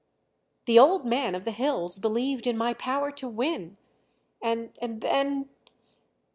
"The old man of the hills believed in my power to win, and then